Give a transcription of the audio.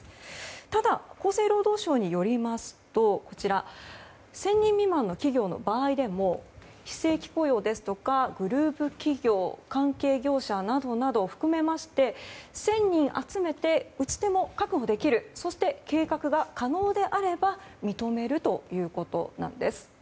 ただ、厚生労働省によりますと１０００人未満の企業の場合でも非正規雇用ですとかグループ企業関係業者などなどを含めまして１０００人集めて打ち手も確保できるそして、計画が可能であれば認めるということです。